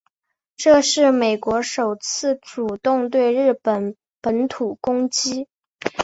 这是美国首次主动对日本本土攻击。